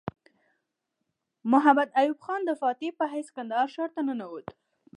محمد ایوب خان د فاتح په حیث کندهار ښار ته ننوت.